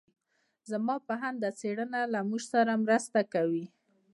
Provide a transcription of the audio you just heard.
زما په اند دا څېړنه له موږ سره مرسته کوي.